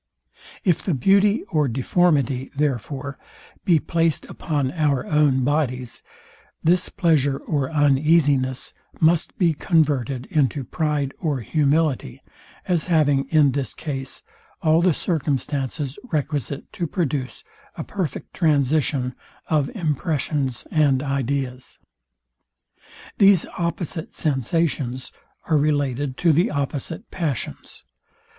If the beauty or deformity, therefore, be placed upon our own bodies, this pleasure or uneasiness must be converted into pride or humility, as having in this case all the circumstances requisite to produce a perfect transition of impressions and ideas. These opposite sensations are related to the opposite passions.